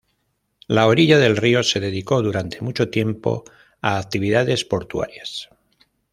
La orilla del río se dedicó durante mucho tiempo a actividades portuarias.